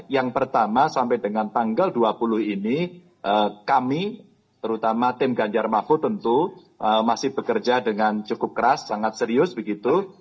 yang pertama sampai dengan tanggal dua puluh ini kami terutama tim ganjar mahfud tentu masih bekerja dengan cukup keras sangat serius begitu